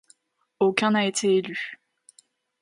Aucun n'a été élu.